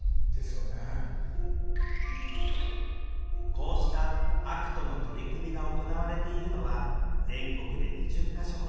こうしたＡＣＴの取り組みが行われているのは全国で２０か所ほど。